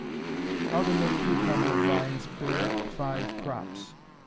_How to Make Cucumber Vines Bear Five Crops.